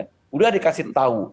sudah dikasih tahu